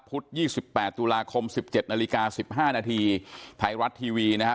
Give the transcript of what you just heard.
พุธ๒๘ตุลาคม๑๗นาฬิกา๑๕นาทีไทยรัฐทีวีนะครับ